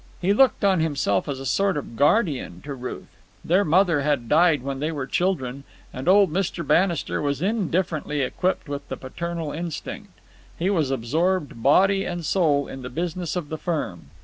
He looked on himself as a sort of guardian to Ruth. Their mother had died when they were children, and old Mr. Bannister was indifferently equipped with the paternal instinct. He was absorbed, body and soul, in the business of the firm.